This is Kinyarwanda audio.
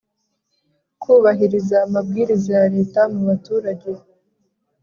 kubahiriza amabwiriza ya leta mubaturage